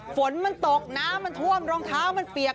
ฝนมันตกน้ำมันท่วมรองเท้ามันเปียก